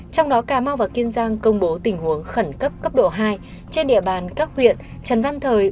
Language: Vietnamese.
trong đó cà mau và kiên giang công bố tình huống khẩn cấp cấp độ hai trên địa bàn các huyện trần văn thời